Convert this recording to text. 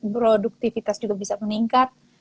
produktivitas juga bisa meningkat